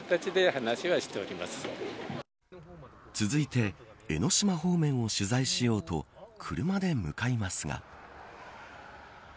続いて江の島方面を取材しようと車で向かいますが。